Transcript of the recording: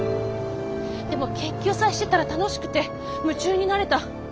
でも研究さえしてたら楽しくて夢中になれた。